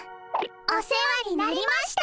お世話になりました。